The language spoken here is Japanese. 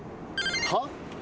はっ？